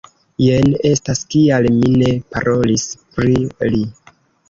Jen estas kial mi ne parolis pri li.